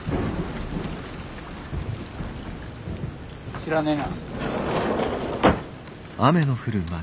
知らねえな。